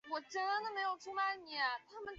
哈豪森是德国下萨克森州的一个市镇。